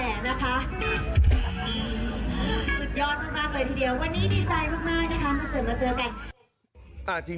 วันนี้ดีใจมากนะคะมาเจอกัน